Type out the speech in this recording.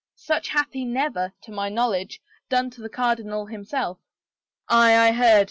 Such hath he never, to my knowledge, done to the cardinal himself." "Aye, I heard.